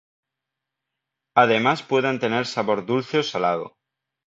Además pueden tener sabor dulce o salado.